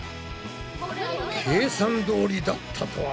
計算どおりだったとは。